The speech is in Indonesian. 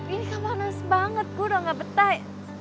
ini kan panas banget gue udah gak petai